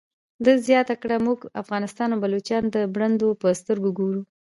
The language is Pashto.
ده زیاته کړه موږ افغانستان او بلوچستان د برنډو په سترګه ګورو.